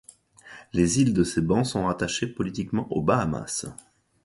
Les îles de ces bancs sont rattachés politiquement aux Bahamas.